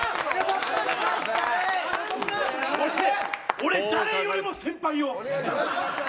俺、誰よりも先輩よ。